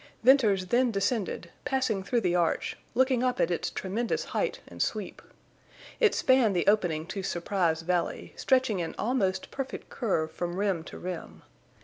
Venters then descended, passing through the arch, looking up at its tremendous height and sweep. It spanned the opening to Surprise Valley, stretching in almost perfect curve from rim to rim.